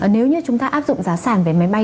nếu như chúng ta áp dụng giá sản vé máy bay